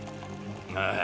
ああ。